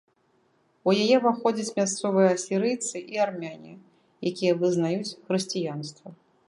У яе ўваходзяць мясцовыя асірыйцы і армяне, якія вызнаюць хрысціянства.